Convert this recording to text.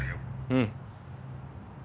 うん。